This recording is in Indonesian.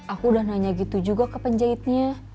aku udah nanya gitu juga ke penjahitnya